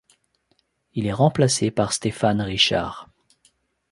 Il est remplacé par Stéphane Richard.